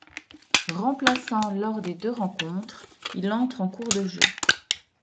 Remplaçant lors des deux rencontres, il entre en cours de jeu.